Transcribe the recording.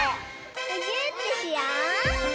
むぎゅーってしよう！